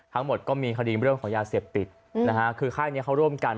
ทั้งหมดก็มีคดีเรื่องของยาเสพติดนะฮะคือค่ายนี้เขาร่วมกัน